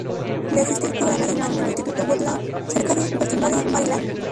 Lee asistió al programa de imán en el Instituto Woodlawn cerca de Baltimore, Maryland.